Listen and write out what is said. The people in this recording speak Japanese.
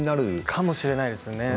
かもしれないですね。